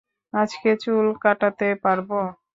আজকে চুল কাটাতে পারব?